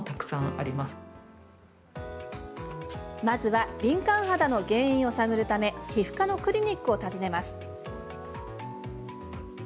まずは敏感肌の原因を探るために皮膚科のクリニックを訪ねます。